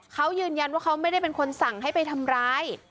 เขายืนยันว่าเขาไม่ได้เป็นคนสั่งให้ไปทำร้าย